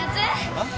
あっ？